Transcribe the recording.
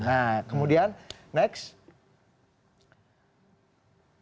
kami sampaikan itu mudah mudahan kita punya pengetahuan